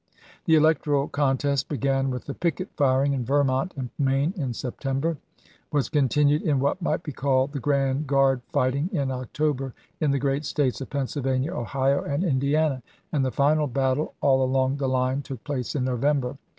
The electoral contest began with the picket firing in Vermont and Maine in September, was continued wei in what might be called the grand guard fighting in October, in the great States of Pennsylvania, Ohio, and Indiana, and the final battle all along the line took place in November.